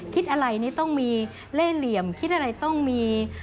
คิดอะไรนี่ต้องมีเล่เหลี่ยมคิดอะไรต้องมี